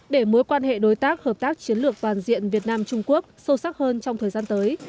để mối quan hệ đối tác hợp tác chiến lược toàn diện việt nam trung quốc sâu sắc hơn trong thời gian tới